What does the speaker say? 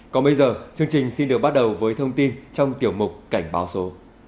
còn bây giờ chương trình xin được bắt đầu với thông tin trong tiểu mục cảnh báo số